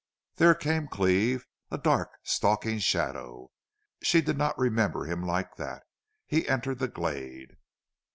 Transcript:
There came Cleve, a dark, stalking shadow. She did not remember him like that. He entered the glade.